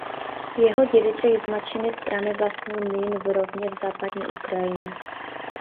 Jeho dědeček z matčiny strany vlastnil mlýn v Rovně v západní Ukrajině.